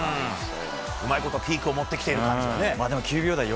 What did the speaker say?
うまいこと、ピークを持ってきている感じがね。